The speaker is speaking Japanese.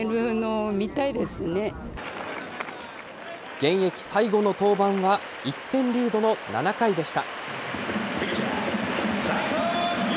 現役最後の登板は１点リードの７回でした。